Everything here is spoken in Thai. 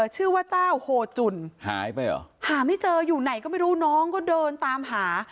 ชื่อว่าเจ้าโฮจุ่นหายไปเหรอหาไม่เจออยู่ไหนก็ไม่รู้น้องก็เดินตามหา